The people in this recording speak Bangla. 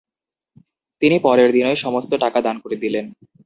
তিনি পরের দিনই সমস্ত টাকা দান করে দিলেন।